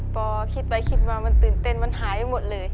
พอคิดไปคิดมามันตื่นเต้นมันหายไปหมดเลย